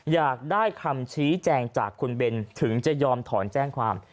อยากได้คำชี้แจงจากคุณเบนถึงจะยอมถอนแจ้งความ